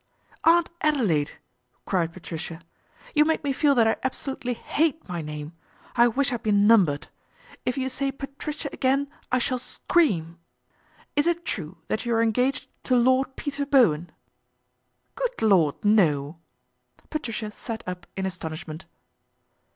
" Aunt Adelaide !" cried Patricia, " you make me feel that I absolutely hate my name. I wish I'd been numbered. If you say ' Patricia ' again I shall scream." " Is it true that you are engaged to Lord Peter Bowen ?"" Good Lord, no." Patricia sat up in astonish ment.